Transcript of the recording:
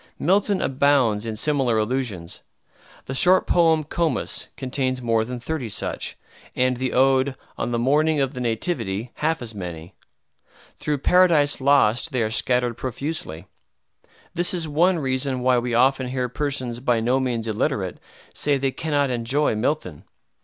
Milton abounds in similar allusions. The short poem "Comus" contains more than thirty such, and the ode "On the Morning of the Nativity" half as many. Through "Paradise Lost" they are scattered profusely. This is one reason why we often hear persons by no means illiterate say that they cannot enjoy Milton.